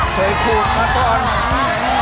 เคยขูดมะพร้อม